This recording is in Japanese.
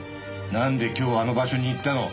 なんで今日あの場所に行ったの？